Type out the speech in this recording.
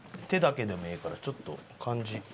手だけでもええからちょっと感じ。